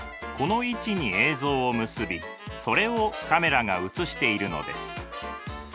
この位置に映像を結びそれをカメラが映しているのです。